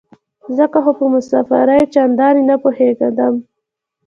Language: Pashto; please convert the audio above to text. ځکه خو په مسافرۍ چندانې نه پوهېدم.